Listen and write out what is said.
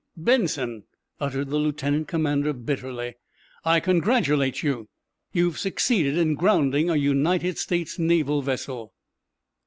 "Benson!" uttered the lieutenant commander, bitterly, "I congratulate you. You've succeeded in grounding a United States Naval vessel!"